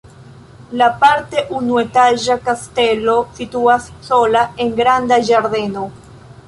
La parte unuetaĝa kastelo situas sola en granda ĝardeno.